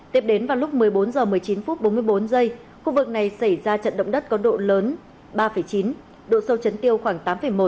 tiếp đến vào lúc một mươi bốn h một mươi chín phút bốn mươi bốn giây khu vực này xảy ra trận động đất có độ lớn ba chín độ sâu chấn tiêu khoảng tám một